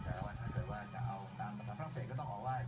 แต่ว่าถ้าเกิดว่าจะเอาตามภาษาฝรั่งเศสก็ต้องออกไห้